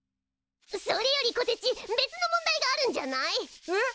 それよりこてち別の問題があるんじゃない？えっ！？